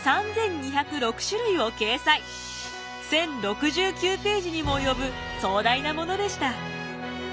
１，０６９ページにも及ぶ壮大なものでした。